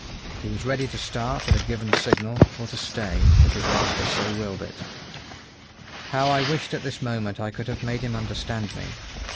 He was ready to start at a given signal, or to stay, if his master so willed it. How I wished at this moment I could have made him understand me.